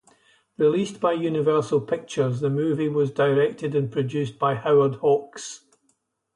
Released by Universal Pictures, the movie was directed and produced by Howard Hawks.